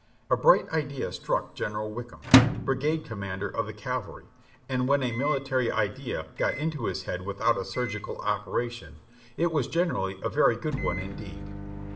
A bright idea struck General Wickham, brigade commander of the cavalry, and when a military idea got into his head without a surgical operation it was generally a very good one indeed.